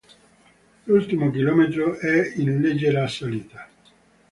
L'ultimo km è in leggera salita.